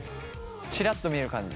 ちらっと見える感じ。